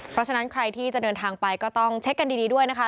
เพราะฉะนั้นใครที่จะเดินทางไปก็ต้องเช็คกันดีด้วยนะคะ